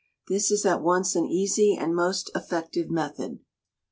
This is at once an easy and most effective method.